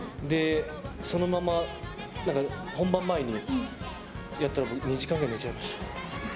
そのまま、本番前に２時間ぐらい寝ちゃいました。